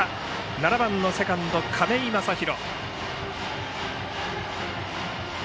７番のセカンド亀井将広。